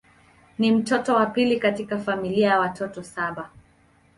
Ni mtoto wa pili katika familia ya watoto saba.